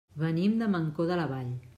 Venim de Mancor de la Vall.